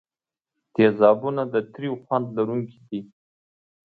تیزابونه د تریو خوند لرونکي دي.